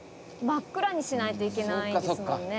真っ暗にしないといけないんですもんね。